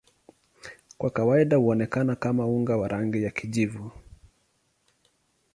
Kwa kawaida huonekana kama unga wa rangi ya kijivu.